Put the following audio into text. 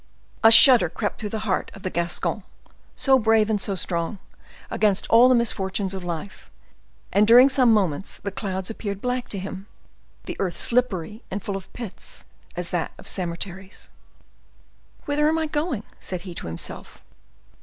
A shudder crept through the heart of the Gascon, so brave and so strong against all the misfortunes of life; and during some moments the clouds appeared black to him, the earth slippery and full of pits as that of cemeteries. "Whither am I going?" said he to himself.